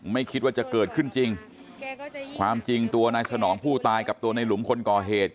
ไม่คิดว่าจะเกิดขึ้นจริงความจริงตัวนายสนองผู้ตายกับตัวในหลุมคนก่อเหตุ